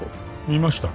見ました？